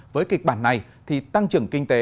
với kịch bản này thì tăng trưởng kinh tế